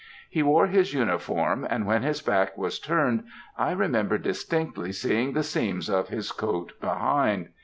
He wore his uniform, and when his back was turned, I remember distinctly seeing the seams of his coat behind.